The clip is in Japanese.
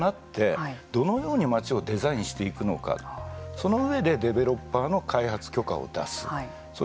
やっぱり自治体が中心となってどのようにまちをデザインしていくのかその上でデベロッパーの開発許可を出す。